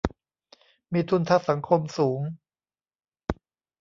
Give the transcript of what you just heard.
มีทุนทางสังคมสูง